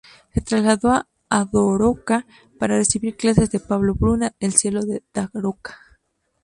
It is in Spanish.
Se trasladó a Daroca para recibir clases de Pablo Bruna, "El Ciego de Daroca".